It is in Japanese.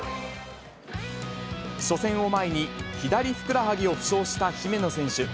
初戦を前に、左ふくらはぎを負傷した姫野選手。